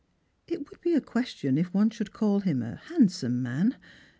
It would be a question if one should call him a handsome man.